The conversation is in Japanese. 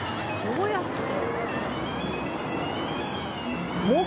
どうやって？